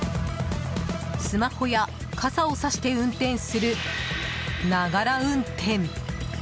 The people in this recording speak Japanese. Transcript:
スマホや傘をさして運転するながら運転。